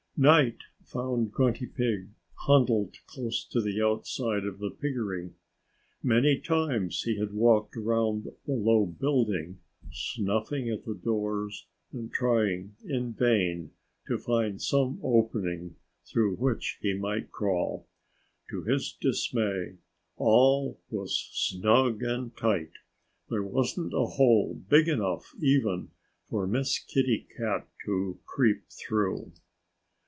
Night found Grunty Pig huddled close to the outside of the piggery. Many times he had walked around the low building, snuffing at the doors and trying in vain to find some opening through which he might crawl. To his dismay, all was snug and tight. There wasn't a hole big enough even for Miss Kitty Cat to creep through.